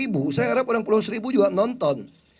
bisa tetap vivekan